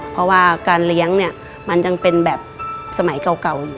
เพราะว่าการเลี้ยงมันยังเป็นแบบสมัยเก่า